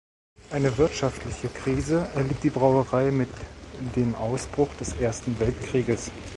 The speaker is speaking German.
Eine wirtschaftliche Krise erlitt die Brauerei mit dem Ausbruch des Ersten Weltkrieges.